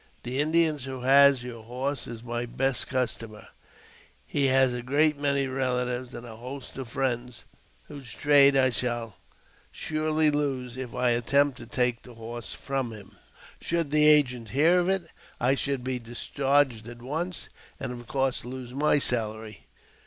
The Indian who has your horse is my best customer ; he has a great many relatives, and a host of friends, whose trade I shall surely lose if I attempt to take the horse from him. Should the agent hear of it, I should be discharged at once, and, of course, lose my salary."